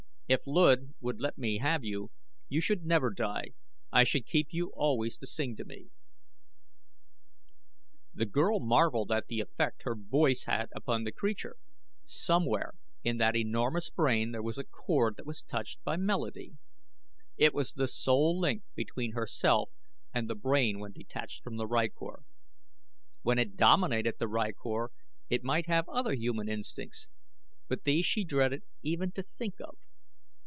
"If Luud would let me have you, you should never die. I should keep you always to sing to me." The girl marvelled at the effect her voice had upon the creature. Somewhere in that enormous brain there was a chord that was touched by melody. It was the sole link between herself and the brain when detached from the rykor. When it dominated the rykor it might have other human instincts; but these she dreaded even to think of.